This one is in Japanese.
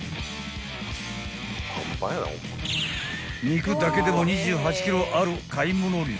［肉だけでも２８ｋｇある買い物量］